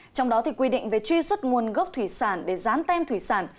trong đó thì quy định về truy xuất nguồn gốc thủy sản để dán tem thủy sản